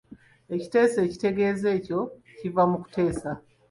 Ekiteeso kitegeeza ekyo ekiva mu kuteesa.